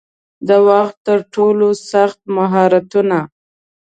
د وخت ترټولو سخت مهارتونه